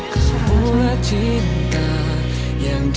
kan malah ya